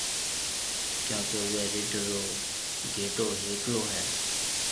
ڪيونڪہ اُوئي رڍ رو گھيَََٽو هيڪلو هيَ۔